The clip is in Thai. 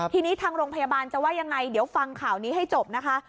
ทีนี้ทางโรงพยาบาลจะว่ายังไงเดี๋ยวฟังข่าวนี้ให้จบนะคะ